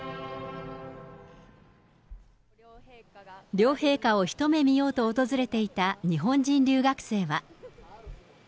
両陛下を一目見ようと訪れていた日本人留学生は。